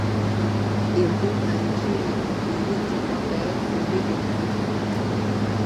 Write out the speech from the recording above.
imbuka nchini ugiriki mwaka wa elfu mbili na nane